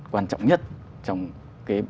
quan trọng nhất trong cái